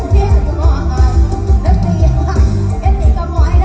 ดีเนี่ยดีเนี่ย